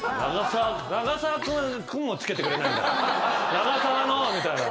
「永沢の」みたいな。